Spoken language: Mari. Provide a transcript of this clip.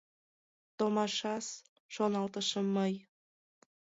«Томашас! — шоналтышым мый.